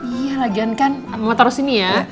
iya lagian kan mama taro sini ya